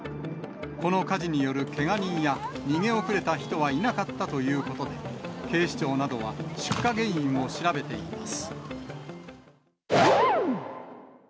この火事によるけが人や、逃げ遅れた人はいなかったということで、警視庁などは出火原因を調べています。